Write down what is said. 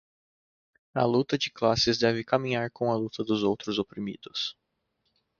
A luta de classes deve caminhar com a luta dos outros oprimidos